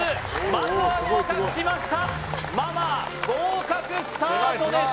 まずは合格しましたマ・マー合格スタートです